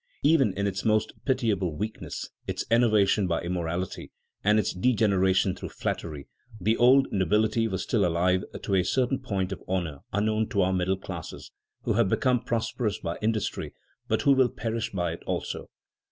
Even in its most pitiable weakness, its enervation by immorality and its degeneration through flattery, the old nobility was still alive to a certain point of honor unknown to our middle classes, who have become prosperous by industry, but who will perish by it also.